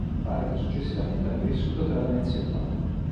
Pare che successivamente abbia vissuto tra Venezia e Padova.